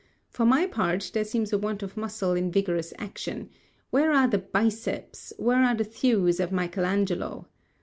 For my part, there seems a want of muscle in vigorous action: where are the biceps, where are the thews of Michael Angelo?